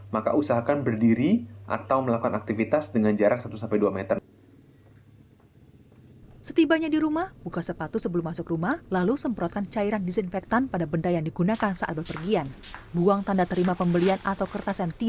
maka usahakan berdiri atau melakukan aktivitas dengan jarak satu dua meter